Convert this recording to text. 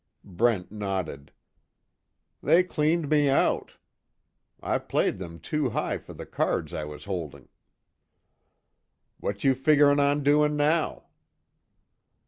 Brent nodded: "They cleaned me out. I played them too high for the cards I was holding." "What you figuring on doing now?"